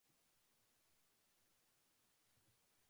地面に寝転んだタバコは部屋の隅の掃除機のようにじっとしている